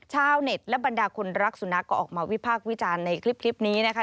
ชาวเน็ตและบรรดาคนรักสุนัขก็ออกมาวิพากษ์วิจารณ์ในคลิปนี้นะคะ